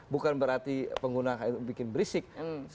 bukan berarti pengguna itu bikin berisik